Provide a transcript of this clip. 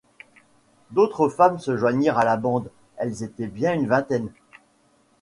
D’autres femmes se joignirent à la bande, elles étaient bien une vingtaine.